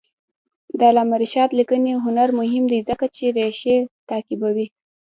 د علامه رشاد لیکنی هنر مهم دی ځکه چې ریښې تعقیبوي.